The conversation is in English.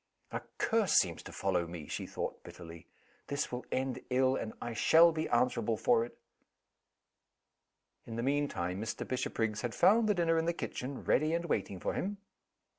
"A curse seems to follow me!" she thought, bitterly. "This will end ill and I shall be answerable for it!" In the mean time Mr. Bishopriggs had found the dinner in the kitchen, ready, and waiting for him.